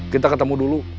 kita ketemu dulu